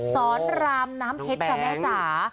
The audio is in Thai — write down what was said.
สอนรามน้ำเพชรจ้ะแม่จ๋า